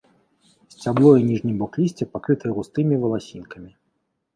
Сцябло і ніжні бок лісця пакрытыя густымі валасінкамі.